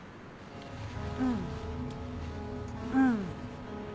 うんうん。